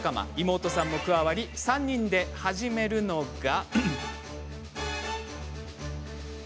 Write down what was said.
妹さんも加わり３人で始めるのが。